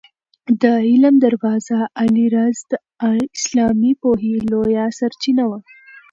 د علم دروازه علي رض د اسلامي پوهې لویه سرچینه وه.